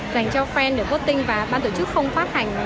dành cho fan để voting và ban tổ chức không phát hành